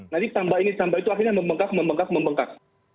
nanti tambah ini tambah itu akhirnya membengkak membengkak membengkak